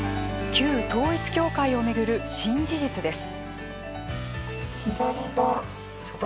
旧統一教会を巡る新事実です。